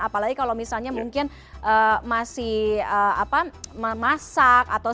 apalagi kalau misalnya mungkin masih masak atau satu dapur